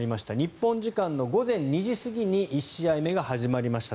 日本時間の午前２時過ぎに１試合目が始まりました。